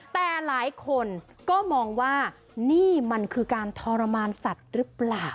แต่หลายคนก็มองว่านี่มันคือการทรมานสัตว์หรือเปล่า